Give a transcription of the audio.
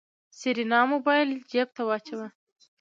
سېرېنا موبايل جېب ته واچوه.